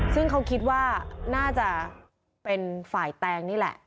ซึ่งเขาคิดว่าน่าจะเป็นฝ่ายแตงนี่แหละ